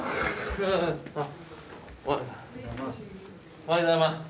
おはようございます。